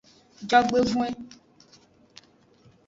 Jogbevoin.